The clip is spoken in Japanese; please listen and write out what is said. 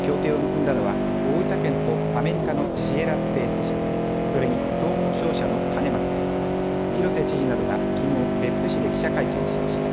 協定を結んだのは大分県とアメリカのシエラ・スペース社それに総合商社の兼松で広瀬知事などがきのう別府市で記者会見しました。